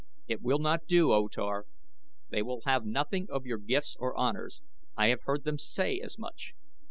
"It will not do, O Tar. They will have nothing of your gifts or honors. I have heard them say as much."